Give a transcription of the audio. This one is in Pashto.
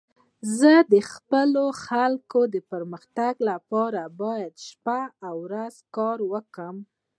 زه د خپلو خلکو د پرمختګ لپاره باید شپه او ورځ کار وکړم.